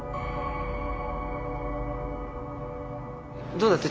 どうだった？